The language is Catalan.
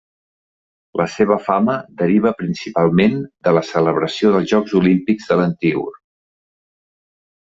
La seva fama deriva principalment de la celebració dels Jocs Olímpics de l'antigor.